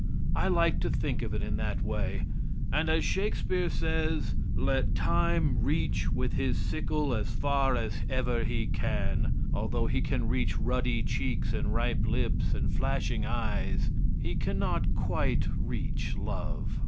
I like to think of it in that way, and as Shakespeare says: "Let Time reach with his sickle as far as ever he can; although he can reach ruddy cheeks and ripe lips, and flashing eyes, he can not quite reach love."